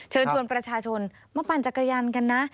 เชิญชวนประชาชนมาปั่นจักรยานกันนะ